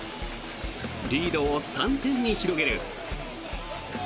リードを３点に広げる。